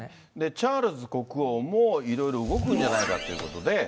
チャールズ国王もいろいろ動くんじゃないかっていうことで。